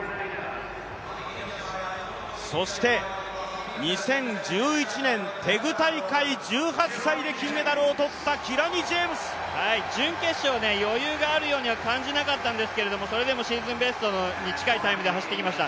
そして２０１１年、テグ大会、１８歳で金メダルを取った準決勝、余裕があるようには感じなかったんですけどそれでもシーズンベストに近いタイムで走ってきました。